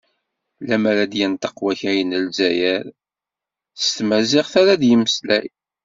Lemmer ad d-yenṭeq wakal n Lezzayer, s tamaziɣt ara d-yemmeslay.